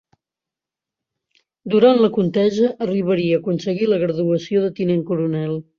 Durant la contesa arribaria a aconseguir la graduació de tinent coronel.